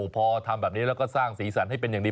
พอทำแบบนี้แล้วก็สร้างสีสันว่างนี้